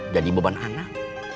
jadi beban anak